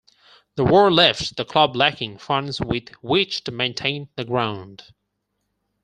The War left the club lacking funds with which to maintain the ground.